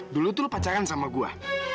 dulu tuh lu pacaran sama gue